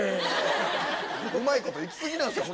うまいこといきすぎなんですよ